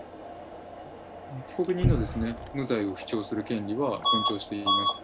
被告人の無罪を主張する権利は尊重しています。